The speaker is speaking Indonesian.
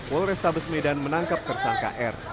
polresta besmedan menangkap kersangka r